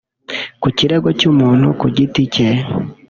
Ku kigero cy’umuntu ku giti cye